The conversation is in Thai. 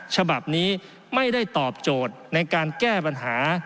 ฉบับนี้ไม่ได้ตอบโจทย์ในการแก้ปัญหา